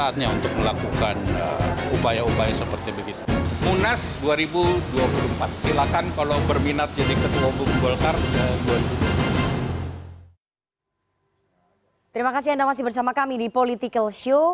terima kasih anda masih bersama kami di political show